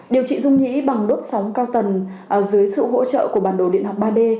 điều trị dung nhĩ bằng đốt sóng cao tần dưới sự hỗ trợ của bản đồ điện học ba d